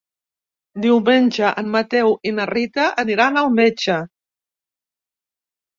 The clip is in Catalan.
Diumenge en Mateu i na Rita aniran al metge.